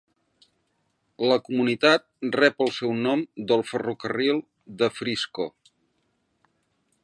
La comunitat rep el seu nom del ferrocarril de Frisco.